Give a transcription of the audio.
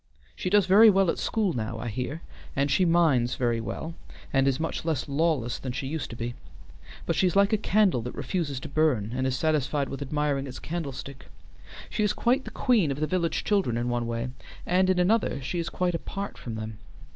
She does very well at school now, I hear, and she minds very well and is much less lawless than she used to be; but she is like a candle that refuses to burn, and is satisfied with admiring its candlestick. She is quite the queen of the village children in one way, and in another she is quite apart from them.